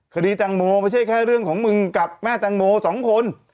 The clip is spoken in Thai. คดีแตงโมไม่ใช่แค่เรื่องของมึงกับแม่แตงโมสองคน